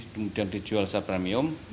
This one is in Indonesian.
kemudian dijual secara premium